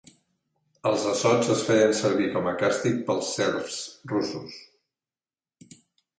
Els assots es feien servir com a càstig per als serfs russos.